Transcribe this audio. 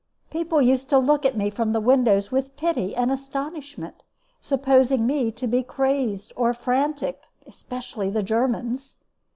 People used to look at me from the windows with pity and astonishment, supposing me to be crazed or frantic, especially the Germans.